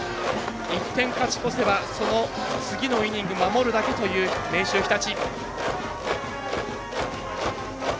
１点勝ち越せばその次のイニングを守るだけという明秀日立。